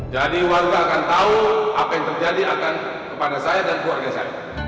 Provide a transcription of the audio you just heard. jadi warga akan tahu apa yang terjadi akan kepada saya dan keluarga saya